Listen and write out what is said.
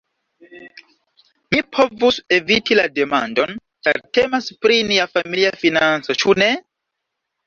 Mi povus eviti la demandon, ĉar temas pri nia familia financo, ĉu ne?